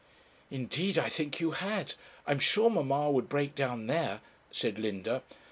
'Indeed, I think you had; I'm sure mamma would break down there,' said Linda.